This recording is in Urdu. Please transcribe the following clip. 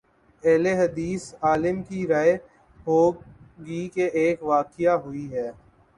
اہل حدیث عالم کی رائے ہو گی کہ ایک واقع ہوئی ہے۔